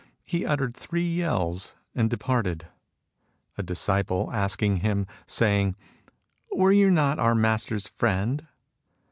He uttered three yells and departed. A disciple asked him, saying :" Were you not our Master's friend